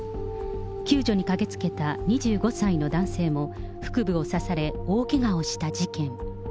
救助に駆けつけた２５歳の男性も、腹部を刺され、大けがをした事件。